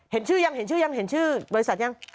เห็นชื่อยังบริษัทยัง